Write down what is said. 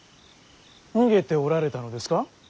逃げておられたのですか。